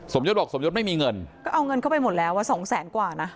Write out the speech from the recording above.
ยศบอกสมยศไม่มีเงินก็เอาเงินเข้าไปหมดแล้วอ่ะสองแสนกว่านะ